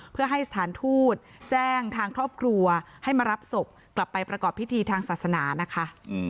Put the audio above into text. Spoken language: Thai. เพื่อให้สถานทูตแจ้งทางครอบครัวให้มารับศพกลับไปประกอบพิธีทางศาสนานะคะ